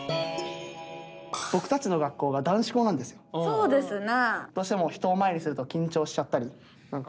そうですな。